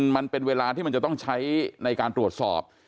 มันเป็นเวลาที่มันจะต้องใช้ในการตรวจสอบ